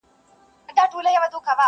او طوطي ته یې دوکان وو ورسپارلی.!